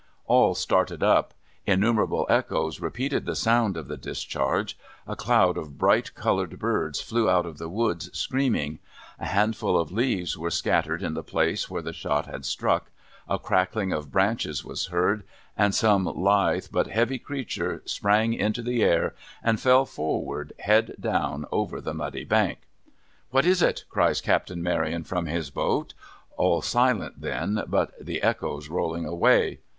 All started up ; innumerable echoes repeated the sound of the discharge ; a cloud of bright coloured birds flew out of the woods screaming ; a handful of leaves were scattered in the place where the shot had struck ; a crackling of branches was heard ; and some lithe but heavy creature sprang into the air, and fell forward, head down, over the muddy bank. ' What is it ?' cries Captain Maryon from his boat. All silent then, but the echoes rolling away.